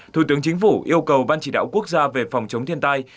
thủ yêu cầu ban chỉ đạo quốc gia về phòng chống thiên tai